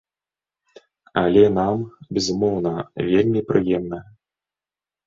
Але нам, безумоўна, вельмі прыемна.